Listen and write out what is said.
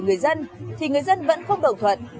người dân thì người dân vẫn không đồng thuận